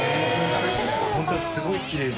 本当だすごいきれいに。